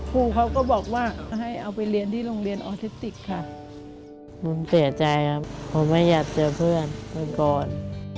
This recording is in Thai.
ครูเขาก็บอกว่าให้เอาไปเรียนที่โรงเรียนออทิติกค่ะผมเสียใจครับเพราะไม่อยากเจอเพื่อนไปก่อน